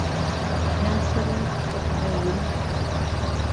یان سەرو دەپەڕێنم